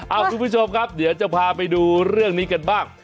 คุณผู้ชมครับเดี๋ยวจะพาไปดูเรื่องนี้กันบ้าง